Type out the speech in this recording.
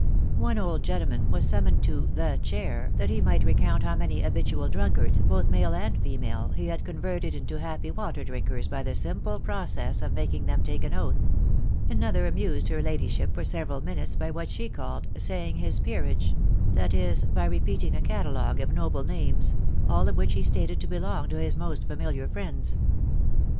.... One old gentleman was summoned to the chair that he might recount how many habitual drunkards, both male and female, he had converted into happy water drinkers by the simple process of making them take an oath ; another amused her ladyship for several minutes by what she called " saying hi* peerage," — that is, by repeating a catalogue of noble names, all of which he stated to belong to his most familiar friends.